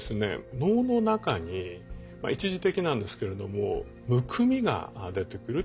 脳の中に一時的なんですけれどもむくみが出てくるという副作用があります。